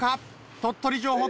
鳥取城北